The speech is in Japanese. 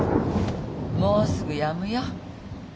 もうすぐやむよ。